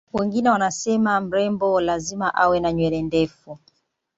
wengine wanasema mrembo lazima awe na nywele ndefu